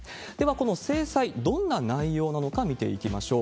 この制裁、どんな内容なのか見ていきましょう。